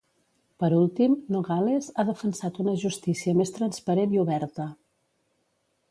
Per últim, Nogales, ha defensat una justícia més transparent i oberta.